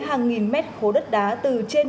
hàng nghìn mét khố đất đá từ trên